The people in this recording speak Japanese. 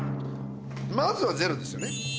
まずはゼロですよね。